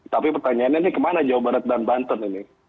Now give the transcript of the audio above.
tapi pertanyaannya ini kemana jawa barat dan banten ini